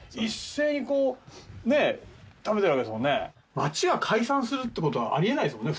町が解散するって事はありえないですもんね